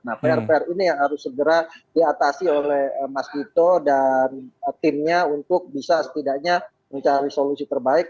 nah pr pr ini yang harus segera diatasi oleh mas gito dan timnya untuk bisa setidaknya mencari solusi terbaik